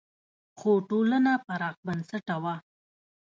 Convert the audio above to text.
خو ټولنه پراخ بنسټه وه.